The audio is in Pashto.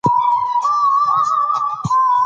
تاریخ د تېرو سپږېرنی دی.